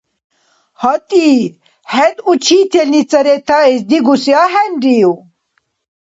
Гьатӏи, хӏед учительница ретаэс дигуси ахӏенрив?